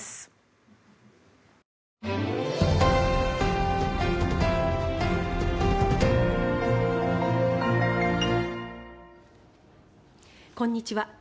こんにちは。